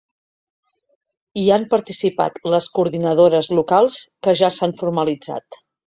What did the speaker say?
Hi han participat les coordinadores locals que ja s’han formalitzat.